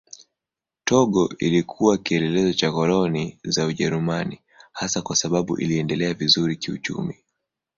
Togo ilikuwa kielelezo cha koloni za Ujerumani hasa kwa sababu iliendelea vizuri kiuchumi.